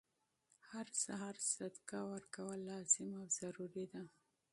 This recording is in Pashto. هر سهار صدقه ورکول لازم او ضروري ده،